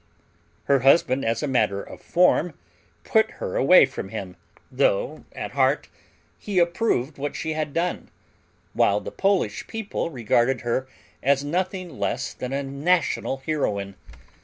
Her husband, as a matter of form, put her away from him, though at heart he approved what she had done, while the Polish people regarded her as nothing less than a national heroine.